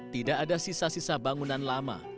tidak ada sisa sisa bangunan lama